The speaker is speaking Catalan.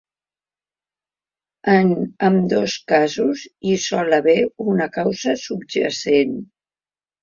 En ambdós casos, hi sol haver una causa subjacent.